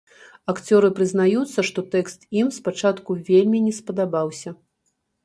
Акцёры прызнаюцца, што тэкст ім спачатку вельмі не спадабаўся.